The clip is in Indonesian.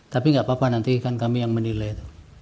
tapi nggak apa apa nanti kan kami yang menilai itu